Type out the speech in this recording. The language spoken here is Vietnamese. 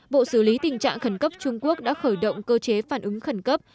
bộ xử lý tình trạng khẩn cấp trung quốc đã khởi động cơ chế phản ứng khẩn cấp